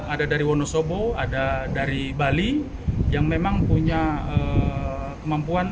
ada dari wonosobo ada dari bali yang memang punya kemampuan